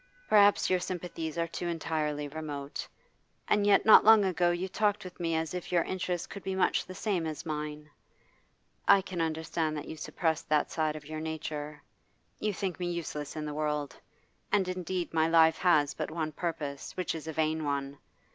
Perhaps your sympathies are too entirely remote; and yet not long ago you talked with me as if your interests could be much the same as mine. I can understand that you suppress that side of your nature. You think me useless in the world. And indeed my life has but one purpose, which is a vain one.